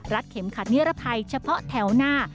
เข็มขัดนิรภัยเฉพาะแถวหน้า